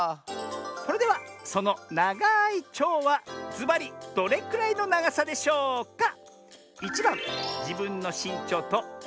それではそのながいちょうはずばりどれくらいのながさでしょうか？